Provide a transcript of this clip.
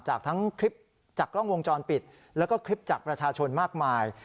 จากทั้งคลิปจากกล้องวงจรปิดแล้วก็คลิปจากประชาชนมากมาย